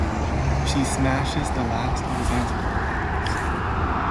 She smashes the last of his antidote bottles.